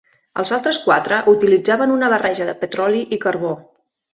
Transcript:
Els altres quatre utilitzaven una barreja de petroli i carbó.